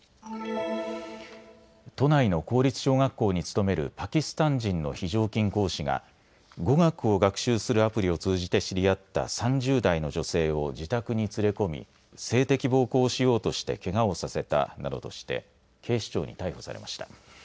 都内の公立小学校に勤めるパキスタン人の非常勤講師が語学を学習するアプリを通じて知り合った３０代の女性を自宅に連れ込み性的暴行をしようとしてけがをさせたなどとして警視庁に逮捕されました。